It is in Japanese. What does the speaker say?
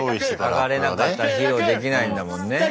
上がれなかったら披露できないんだもんね。